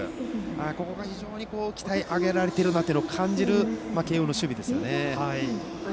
ここが非常に鍛え上げられているなと感じる慶応の守備ですよね。